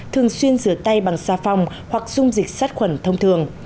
thường xuyên rửa tay bằng xa phòng hoặc dung dịch sát khuẩn thông thường